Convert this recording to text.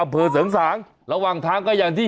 อำเภอเสริงสางระหว่างทางก็อย่างที่